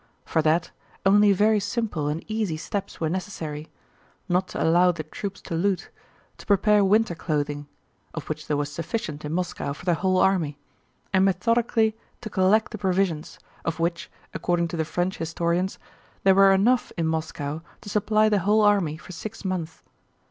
For that, only very simple and easy steps were necessary: not to allow the troops to loot, to prepare winter clothing—of which there was sufficient in Moscow for the whole army—and methodically to collect the provisions, of which (according to the French historians) there were enough in Moscow to supply the whole army for six months.